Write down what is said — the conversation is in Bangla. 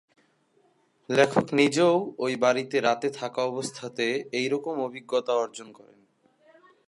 লেখক নিজেও ঐ বাড়িতে রাতে থাকা অবস্থাতে একইরকম অভিজ্ঞতা অর্জন করেন।